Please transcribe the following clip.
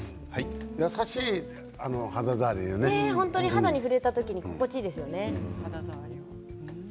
肌に触れた時に心地いいですね。